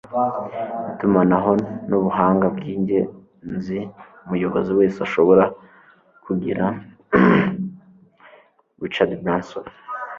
itumanaho nubuhanga bwingenzi umuyobozi wese ashobora kugira. - richard branson